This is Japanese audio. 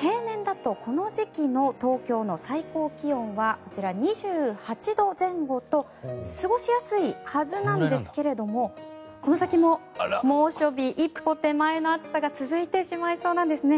平年だとこの時期の東京の最高気温はこちら、２８度前後と過ごしやすいはずなんですがこの先も猛暑日一歩手前の暑さが続いてしまいそうなんですね。